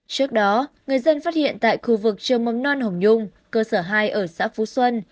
trước đó người dân phát hiện tại khu vực trường mầm non hồng nhung cơ sở hai ở xã phú xuân